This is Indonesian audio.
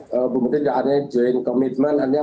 bapak menteri juga ada join commitment